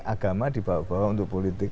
agama dibawa bawa untuk politik